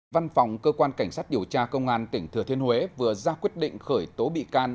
văn phòng cơ quan cảnh sát điều tra công an tỉnh thừa thiên huế vừa ra quyết định khởi tố bị can